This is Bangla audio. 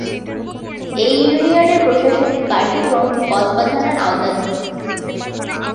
এ ইউনিয়নের প্রশাসনিক কার্যক্রম কসবা থানার আওতাধীন।